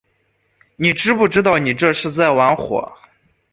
你知不知道你这是在玩火